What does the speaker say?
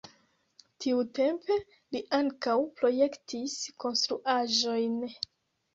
Tiutempe li ankaŭ projektis konstruaĵojn.